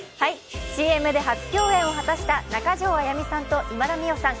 ＣＭで初共演を果たした中条あやみさんと今田美桜さん。